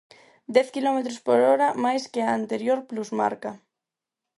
Dez quilómetros por hora máis que a anterior plusmarca.